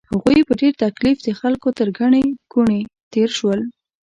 هغوی په ډېر تکلیف د خلکو تر ګڼې ګوڼې تېر شول.